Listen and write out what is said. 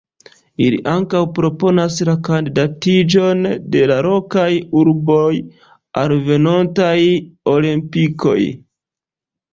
Ili ankaŭ proponas la kandidatiĝon de lokaj urboj al venontaj Olimpikoj.